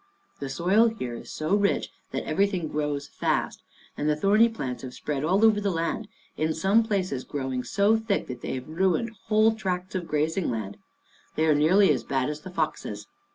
The soil here is so rich that everything grows fast, and the thorny plants have spread all over the land, in some places growing so Life at Djerinallum 57 thick that they have ruined whole tracts of grazing land. They are nearly as bad as the foxes.